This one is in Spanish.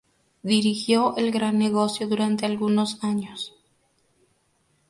Dirigió el gran negocio durante algunos años.